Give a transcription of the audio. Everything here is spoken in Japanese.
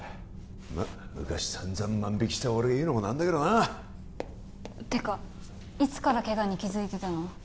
まっ昔さんざん万引きした俺が言うのも何だけどなてかいつからケガに気づいてたの？